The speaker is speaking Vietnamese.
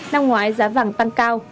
năm ngoái giá vàng tăng cao